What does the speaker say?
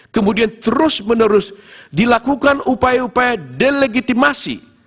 kemudian terus menerus dilakukan upaya upaya delegitimasi